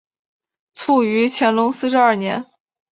卒于乾隆四十二年。